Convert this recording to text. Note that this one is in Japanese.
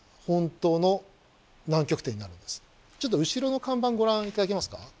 ちょっと後ろの看板ご覧頂けますか。